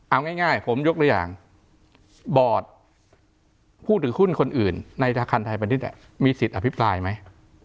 เอาง่ายผมยกตัวอย่างบอร์ดผู้ถือหุ้นคนอื่นในธนาคารไทยประดิษฐ์มีสิทธิ์อภิปรายไหม